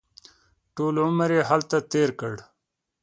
ټول عمر یې هلته تېر کړ.